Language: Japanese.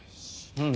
うん。